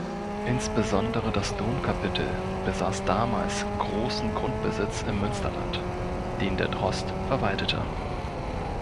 Insbesondere das Domkapitel besaß damals großen Grundbesitz im Münsterland, den der Drost verwaltete.